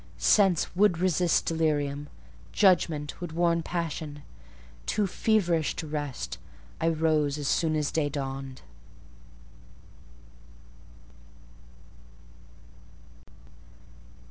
Sense would resist delirium: judgment would warn passion. Too feverish to rest, I rose as soon as day dawned.